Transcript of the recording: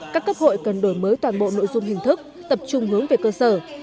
các cấp hội cần đổi mới toàn bộ nội dung hình thức tập trung hướng về cơ sở